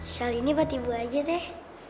shel ini buat ibu aja deh